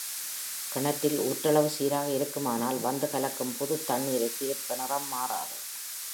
கிணற்றில் ஊற்றளவு சீராக இருக்குமானால் வந்து கலக்கும் புதுத் தண்ணிருக்கு ஏற்ப நிறம் மாறாது.